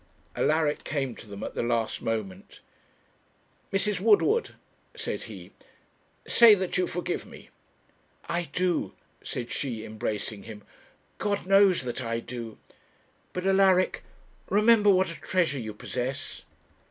Alaric came to them at the last moment 'Mrs. Woodward,' said he, 'say that you forgive me.' 'I do,' said she, embracing him 'God knows that I do; but, Alaric, remember what a treasure you possess.'